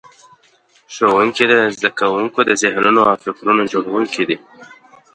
ښوونکي د زده کوونکو د ذهنونو او فکرونو جوړونکي دي.